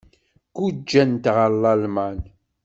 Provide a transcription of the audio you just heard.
Gguǧǧent ɣer Lalman.